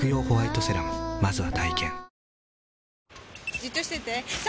じっとしてて３！